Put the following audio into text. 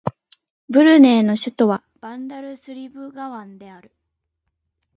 ブルネイの首都はバンダルスリブガワンである